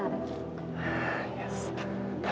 saya turun sebentar